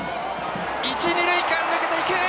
一二塁間、抜けていく！